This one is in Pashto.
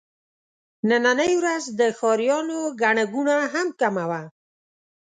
نننۍ ورځ د ښاريانو ګڼه ګوڼه هم کمه وه.